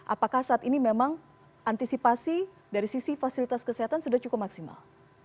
apakah saat ini memang antisipasi dari sisi fasilitas kesehatan sudah cukup maksimal